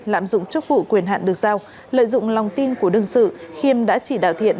lạm dụng chức vụ quyền hạn được giao lợi dụng lòng tin của đương sự khiêm đã chỉ đạo thiện